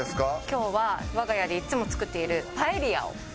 今日は我が家でいつも作っているパエリアを。